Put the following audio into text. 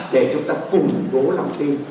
để chúng ta củng cố lòng tin